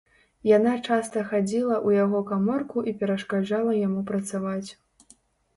Яна часта хадзіла ў яго каморку і перашкаджала яму працаваць.